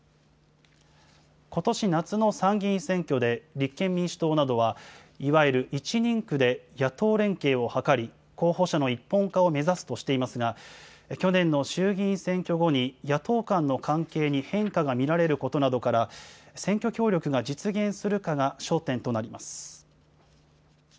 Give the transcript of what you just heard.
ことし夏の参議院選挙で、立憲民主党などは、いわゆる１人区で野党連携を図り、候補者の一本化を目指すとしていますが、去年の衆議院選挙後に野党間の関係に変化が見られることなどから、選挙協力が実現するかが焦点となります。